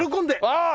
ああ